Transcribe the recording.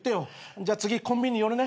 じゃあ次コンビニ寄るね。